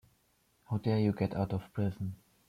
How dare you get out of prison!